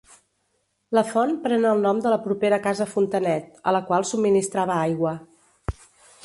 La font pren el nom de la propera Casa Fontanet, a la qual subministrava aigua.